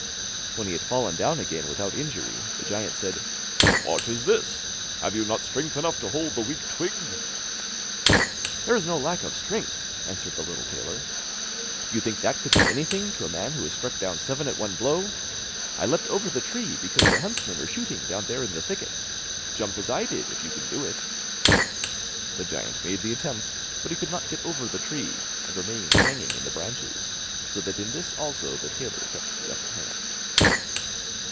When he had fallen down again without injury, the giant said: 'What is this? Have you not strength enough to hold the weak twig?' 'There is no lack of strength,' answered the little tailor. 'Do you think that could be anything to a man who has struck down seven at one blow? I leapt over the tree because the huntsmen are shooting down there in the thicket. Jump as I did, if you can do it.' The giant made the attempt but he could not get over the tree, and remained hanging in the branches, so that in this also the tailor kept the upper hand.